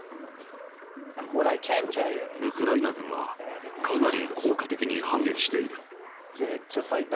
ウクライナ軍は、かなり効果的に反撃している。